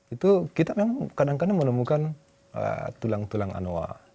itu kita memang kadang kadang menemukan tulang tulang anoa